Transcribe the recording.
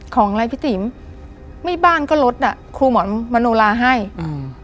อะไรพี่ติ๋มไม่บ้านก็ลดอ่ะครูหมอนมโนลาให้อืม